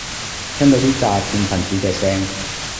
聽到啲詐騙份子嘅聲